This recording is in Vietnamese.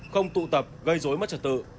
không tụ tập gây dối mất trật tự